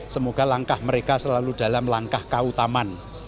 semoga langkah mereka selalu dalam langkah kautaman